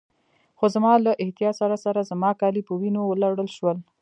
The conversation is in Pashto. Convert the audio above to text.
خو زما له احتیاط سره سره زما کالي په وینو ولړل شول.